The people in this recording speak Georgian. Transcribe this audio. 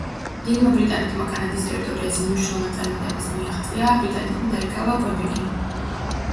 დიდმა ბრიტანეთმა კანადის ტერიტორიაზე მნიშვნელოვან წარმატებებს მიაღწია, ბრიტანეთმა დაიკავა კვებეკი.